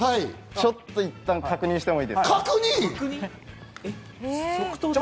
ちょっと、いったん確認してもいいですか？